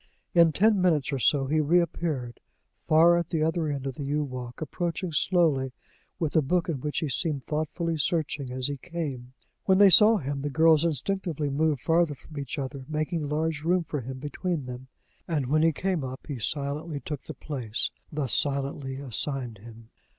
In ten minutes or so he reappeared, far at the other end of the yew walk, approaching slowly, with a book, in which he seemed thoughtfully searching as he came. When they saw him the girls instinctively moved farther from each other, making large room for him between them, and when he came up he silently took the place thus silently assigned him.